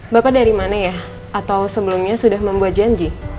bapak dari mana ya atau sebelumnya sudah membuat janji